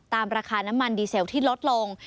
ราคาน้ำมันดีเซลที่ลดลง